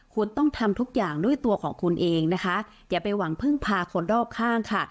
คุณต้องทำทุกอย่างด้วยตัวของคุณเองนะคะอย่าไปหวังพึ่งพาคนรอบข้างค่ะ